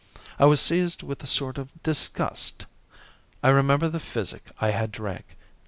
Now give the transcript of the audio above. I was seized with a sort of disgust. I remembered the physic I had drank.